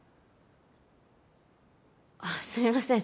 あっすいません。